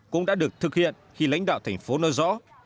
cũng đã được thực hiện khi lãnh đạo thành phố nói rõ